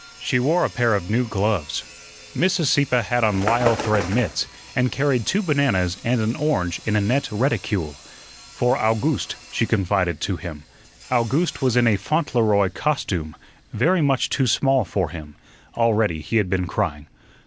She wore a pair of new gloves. Mrs. Sieppe had on lisle thread mits, and carried two bananas and an orange in a net reticule. "For Owgooste," she confided to him. Owgooste was in a Fauntleroy "costume" very much too small for him. Already he had been crying.